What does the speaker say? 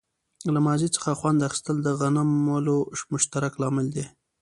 له ماضي څخه خوند اخیستل د غنملو مشترک لامل دی.